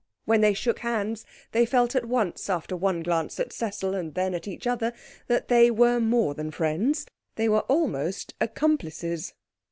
When they shook hands they felt at once, after one glance at Cecil and then at each other, that they were more than friends they were almost accomplices.